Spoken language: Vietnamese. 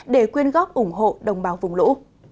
để quyên góp ủng hộ đồng bào vùng lũ